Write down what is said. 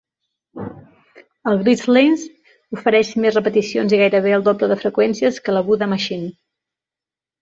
El Gristleism ofereix més repeticions i gairebé el doble de freqüències que la Buddha Machine.